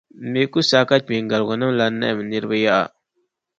M mi ku saɣi ka kpeengarigunim’ lan nahim n niriba yaha.